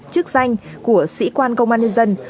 chức danh của sĩ quan công an nhân dân